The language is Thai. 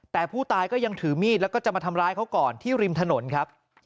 แต่ผู้ตายก็ยังถือมีดแล้วก็จะมาทำร้ายเขาก่อนที่ริมถนนครับ